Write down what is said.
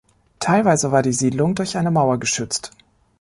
Teilweise war die Siedlung durch eine Mauer geschützt.